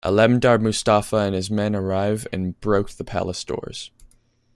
Alemdar Mustafa and his men arrived and broke the palace doors.